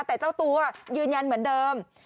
แต่เจ้าตัวยืนยันเหมือนเดิม